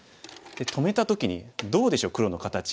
止めた時にどうでしょう黒の形。